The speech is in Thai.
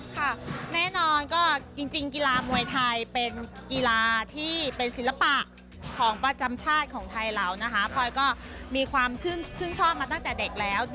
ค่ะแน่นอนก็จริงกีฬามวยไทยเป็นกีฬาที่เป็นศิลปะของประจำชาติของไทยเรานะคะพลอยก็มีความชื่นชอบมาตั้งแต่เด็กแล้ว